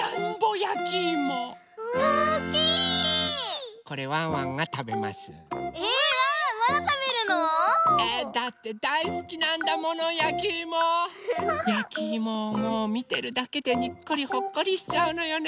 やきいもをもうみてるだけでにっこりほっこりしちゃうのよね。